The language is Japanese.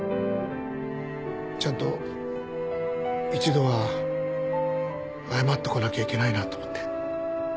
ちゃんと一度は謝っとかなきゃいけないなと思って。